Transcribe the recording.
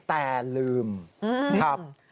แต่ลืมครับ